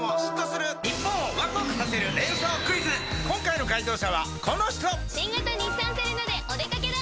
今回の解答者はこの人新型日産セレナでお出掛けだ！